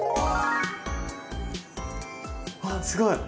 あっすごい！